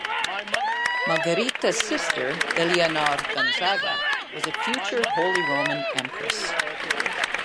Margherita's sister Eleonor Gonzaga was a future Holy Roman Empress.